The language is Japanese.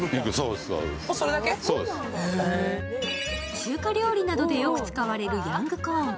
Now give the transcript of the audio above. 中華料理などでよく使われるヤングコーン。